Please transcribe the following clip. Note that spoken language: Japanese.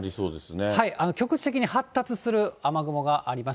局地的に発達する雨雲があります。